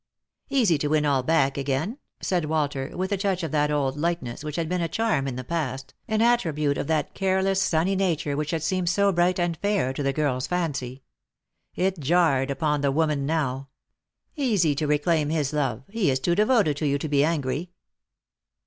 " Easy to win all back again," said Walter, with a touch of that old lightness which had been a charm in the past, an attri bute of that careless sunny nature which had seemed so bright and fair to the girl's fancy. It jarred upon the woman now. "Easy to reclaim his love; he is too devoted to you to be angry."